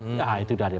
nah itu sudah ada